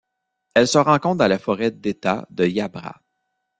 Elle se rencontre dans la forêt d'État de Yabbra.